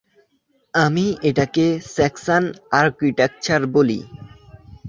আমি এটাকে Saxon architecture বলি।